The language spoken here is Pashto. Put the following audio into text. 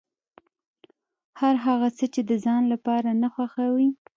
هر هغه څه چې د ځان لپاره نه خوښوې.